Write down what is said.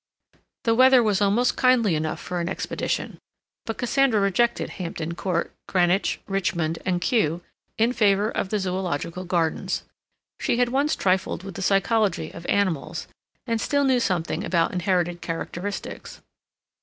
The weather was almost kindly enough for an expedition. But Cassandra rejected Hampton Court, Greenwich, Richmond, and Kew in favor of the Zoological Gardens. She had once trifled with the psychology of animals, and still knew something about inherited characteristics.